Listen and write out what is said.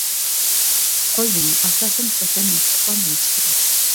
قوي يۇڭى ئاساسەن خوتەن ۋە تۇرپاندىن چىقىدۇ.